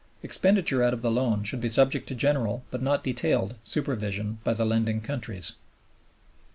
Expenditure out of the loan should be subject to general, but not detailed, supervision by the lending countries.